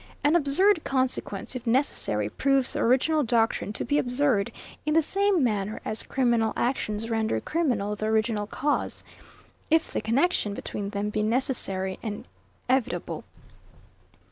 An absurd consequence, if necessary, proves the original doctrine to be absurd; in the same manner as criminal actions render criminal the original cause, if the connexion between them be necessary and evitable.